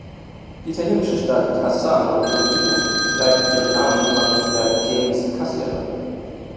Die italienische Stadt Cassano Irpino leitet ihren Namen von der "gens Cassia" ab.